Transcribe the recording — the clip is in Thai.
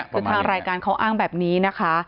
ในรายการเขาอ้างแบบนี้นะคะ